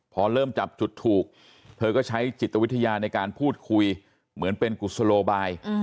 พอเริ่มจับจุดถูกเธอก็ใช้จิตวิทยาในการพูดคุยเหมือนเป็นกุศโลบาย